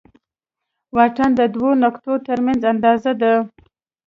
واټن د دوو نقطو تر منځ اندازه ده.